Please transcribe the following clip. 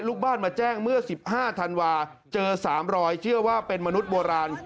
ลูกบ้านมาแจ้งเมื่อ๑๕ธันวาเจอ๓รอยเชื่อว่าเป็นมนุษย์โบราณ